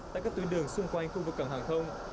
tại các tuyến đường xung quanh khu vực cảng hàng không